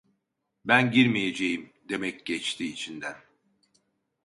"Ben girmeyeceğim!" demek geçti içinden.